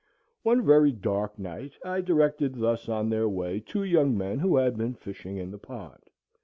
One very dark night I directed thus on their way two young men who had been fishing in the pond.